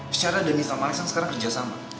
secara denis sama alex yang sekarang kerja sama